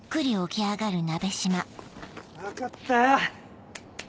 分かったよ！